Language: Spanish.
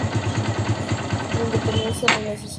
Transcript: La interdependencia muy necesaria.